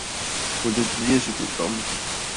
我的職業是股東